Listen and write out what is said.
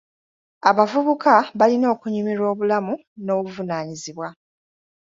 Abavubuka balina okunyumirwa obulamu n'obuvunaanyizibwa.